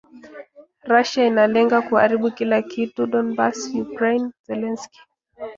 Russia inalenga kuharibu kila kitu Donbas, Ukraine - Zelensky.